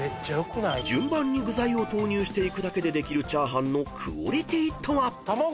［順番に具材を投入していくだけでできるチャーハンのクオリティーとは？］